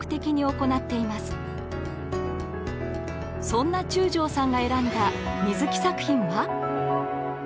そんな中条さんが選んだ水木作品は？